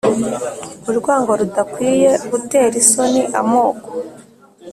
urwango rudakwiye rutera isoni amoko